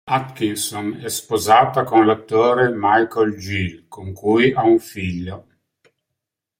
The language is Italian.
Atkinson è sposata con l'attore Michael Gill, con cui ha un figlio.